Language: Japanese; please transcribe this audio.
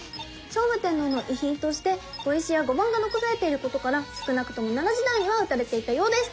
聖武天皇の遺品として碁石や碁盤が残されていることから少なくとも奈良時代には打たれていたようです。